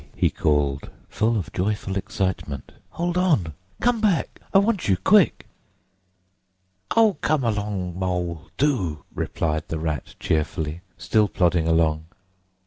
he called, full of joyful excitement, "hold on! Come back! I want you, quick!" "Oh, come along, Mole, do!" replied the Rat cheerfully, still plodding along.